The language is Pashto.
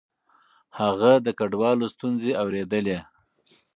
هغه د کډوالو ستونزې اورېدلې.